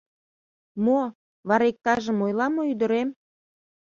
— Мо, вара иктажым ойла мо, ӱдырем?